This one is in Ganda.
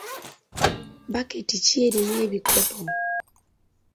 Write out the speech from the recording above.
Bbaketi ki erimu ebikopo?